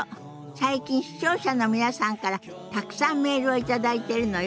最近視聴者の皆さんからたくさんメールを頂いてるのよ。